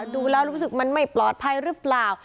ดูแล้วรู้สึกมันไม่ปลอดภัยหรือเปล่า